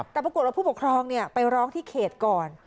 แต่ปรากฏว่าผู้ปกครองไปร้องที่เขตก่อน